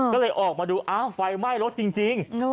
ก็เลยออกมาดูอ้าวไฟไหม้รถจริง